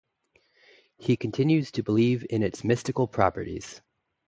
He continues to believe in its mystical properties.